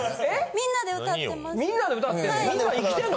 みんなで歌ってんの？